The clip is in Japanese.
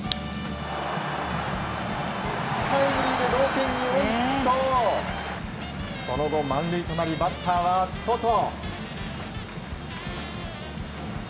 タイムリーで同点に追いつくとその後満塁となりバッターはソト。